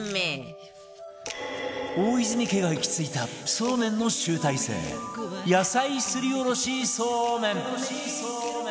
大泉家が行き着いたそうめんの集大成野菜すりおろしそうめん